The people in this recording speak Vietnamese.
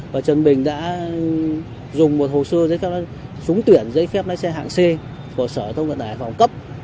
và trần bình đã dùng một hồ sơ giấy phép lái xe hạng c của sở thông cận đại phòng cấp